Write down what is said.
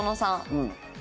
うん。